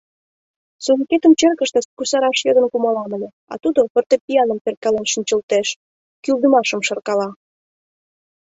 Сулыкетым черкыште касараш йодын кумалам ыле, а тудо фортепианым перкален шинчылтеш... кӱлдымашым шаркала...